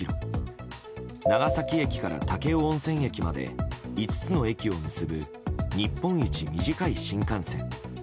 長崎駅から武雄温泉駅まで５つの駅を結ぶ日本一短い新幹線。